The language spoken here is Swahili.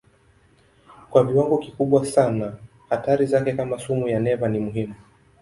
Kwa viwango kikubwa zaidi hatari zake kama sumu ya neva ni muhimu.